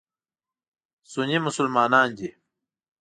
سني مسلمانان دي.